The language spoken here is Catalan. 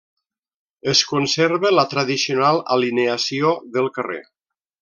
Es conserva la tradicional alineació del carrer.